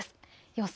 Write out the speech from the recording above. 予想